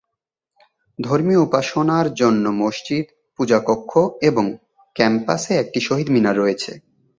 ধর্মীয় উপাসনার জন্য মসজিদ, পূজা কক্ষ এবং ক্যাম্পাসে একটি শহীদ মিনার রয়েছে।